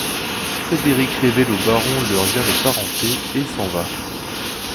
Frederick révèle au baron leur lien de parenté, et s'en va.